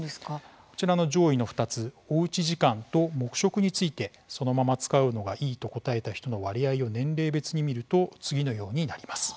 こちらの上位の２つおうち時間と黙食についてそのまま使うのがいいと答えた人の割合を年齢別に見ると次のようになります。